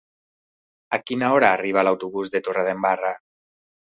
A quina hora arriba l'autobús de Torredembarra?